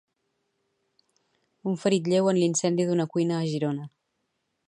Un ferit lleu en l'incendi d'una cuina a Girona.